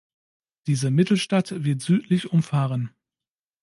Diese Mittelstadt wird südlich umfahren.